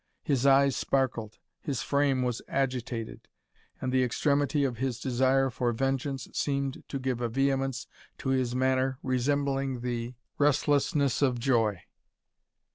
His eyes sparkled, his frame was agitated, and the extremity of his desire for vengeance seemed to give a vehemence to his manner resembling the restlessness of joy.